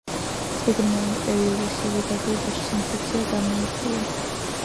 წიგნმა იმ პერიოდის საზოგადოებაში სენსაცია გამოიწვია.